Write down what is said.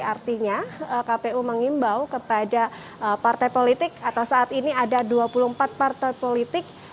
artinya kpu mengimbau kepada partai politik atau saat ini ada dua puluh empat partai politik